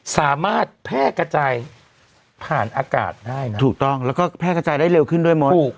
สามารถแพร่กระจายผ่านอากาศได้นะถูกต้องแล้วก็แพร่กระจายได้เร็วขึ้นด้วยมด